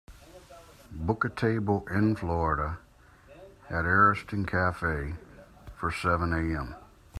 book a table in Florida at Ariston Cafe for seven am